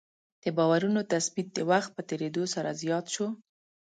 د باورونو تثبیت د وخت په تېرېدو سره زیات شو.